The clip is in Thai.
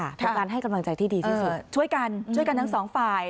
เป็นการให้กำลังใจที่ดีที่สุดช่วยกันช่วยกันทั้งสองฝ่าย